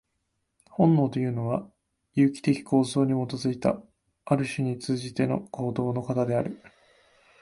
本能というのは、有機的構造に基いた、ある種に通じての行動の型である。